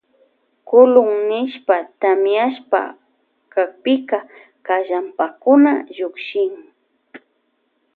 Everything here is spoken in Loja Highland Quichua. Kulun nishpa tamiashpa kakpika kallanpakuna llukshin.